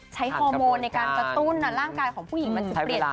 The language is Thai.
ใช้ฮอร์โมนในการตูน